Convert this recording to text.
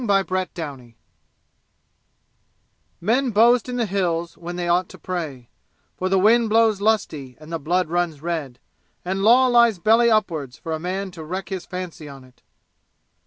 Chapter IV Men boast in the Hills, when they ought to pray; For the wind blows lusty, and the blood runs red, And Law lies belly upwards for a man to wreak his fancy on it.